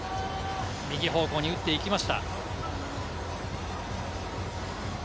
右方向に打っていきました。